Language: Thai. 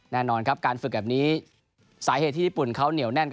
แน่นอนครับการฝึกแบบนี้สาเหตุที่ญี่ปุ่นเขาเหนียวแน่น